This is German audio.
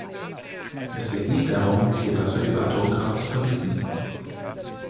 Es geht nicht darum, die Debatte über Atomkraft zu verbieten.